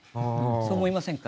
そう思いませんか？